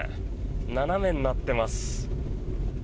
斜めになっています。